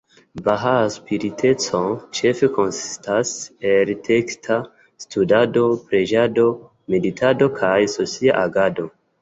Bahaa spiriteco ĉefe konsistas el teksta studado, preĝado, meditado, kaj socia agado.